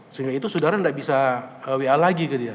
sehingga itu saudara tidak bisa wa lagi ke dia